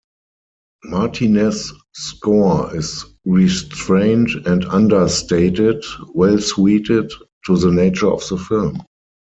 Martinez's score is restrained and understated, well suited to the nature of the film.